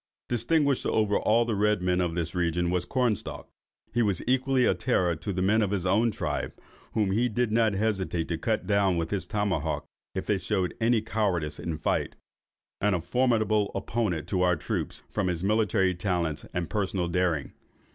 Distinguished over all the other red men of this region, was Cornstalk. He was equally a terror to the men of his own tribe, (whom he did not hesitate to hew down with his tomahawk if they showed any cowardice in fight,) and a formidable opponent to our troops, from his military talents and personal daring.